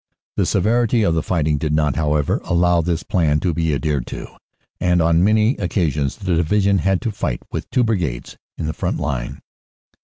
(The severity of the fight ing did not, however, allow this plan to be adhered to, and on many occasions the Divisions had to fight with two brigades in the front line.)